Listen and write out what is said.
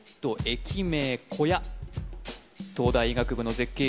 駅名小屋東大医学部の絶景